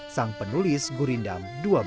sang penulis gurindam dua belas